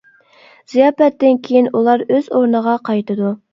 زىياپەتتىن كېيىن ئۇلار ئۆز ئورنىغا قايتىدۇ.